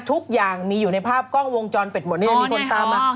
ทุกอย่างมีอยู่ในภาพกล้องวงจรปิดหมดนี่มันมีคนตามมา